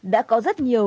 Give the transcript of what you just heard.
đã có rất nhiều